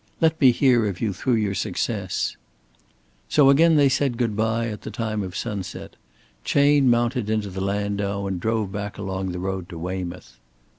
Let me hear of you through your success." So again they said good by at the time of sunset. Chayne mounted into the landau and drove back along the road to Weymouth.